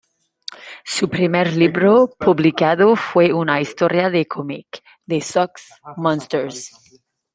Su primer libro publicado fue una historia de cómic: "The Sock Monsters".